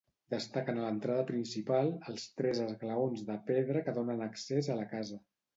Destaquen a l’entrada principal, els tres esglaons de pedra que donen accés a la casa.